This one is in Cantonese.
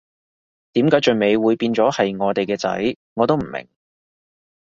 點解最尾會變咗係我哋嘅仔，我都唔明